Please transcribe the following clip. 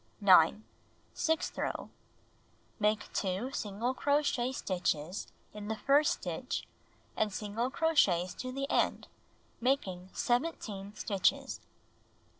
9. Sixth row: Make 2 single crochet stitches in the first stitch and single crochets to the end, making 17 stitches.